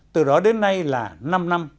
từ đó đến nay là năm năm